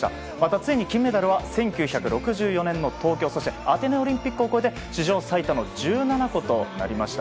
ついに金メダルは１９６４年の東京アテネオリンピックを超えて史上最多の１７個となりました。